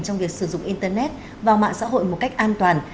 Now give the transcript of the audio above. trong việc sử dụng internet vào mạng xã hội một cách an toàn